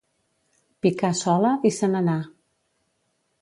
Picà sola i se n'anà.